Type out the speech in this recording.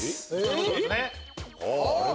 そうですね。